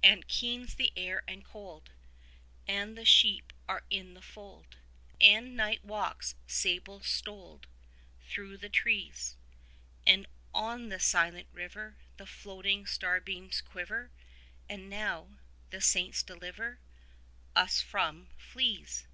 And keen's the air and cold, And the sheep are in the fold, 70 And Night walks sable stoled Through the trees; And on the silent river The floating starbeams quiver; And now, the saints deliver 75 Us from fleas.